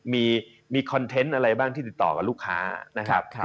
มีคอนเทนต์อะไรบ้างที่ติดต่อกับลูกค้านะครับ